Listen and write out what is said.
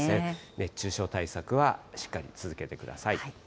熱中症対策はしっかり続けてください。